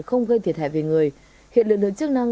không gây thiệt hại về người hiện lực lượng chức năng